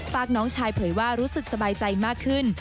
น้องชายเผยว่ารู้สึกสบายใจมากขึ้น